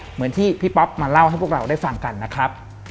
เหมือนที่พี่ป๊อปมาเล่าให้พวกเราได้ฟังกันนะครับ